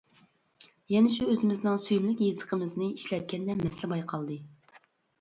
يەنە شۇ ئۆزىمىزنىڭ سۆيۈملۈك يېزىقىمىزنى ئىشلەتكەندە مەسىلە بايقالدى.